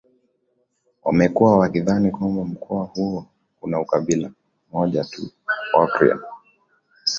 wamekuwa wakidhani kwamba mkoa huo una kabila moja tu Wakurya